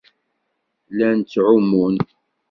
Llan ttɛumun.